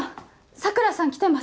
桜さん来てます。